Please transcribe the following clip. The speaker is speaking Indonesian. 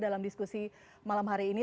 dalam diskusi malam hari ini